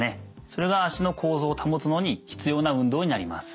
それが足の構造を保つのに必要な運動になります。